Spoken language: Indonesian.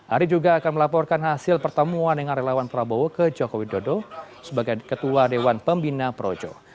ari juga akan melaporkan hasil pertemuan dengan relawan prabowo ke jokowi dodo sebagai ketua dewan pembina projo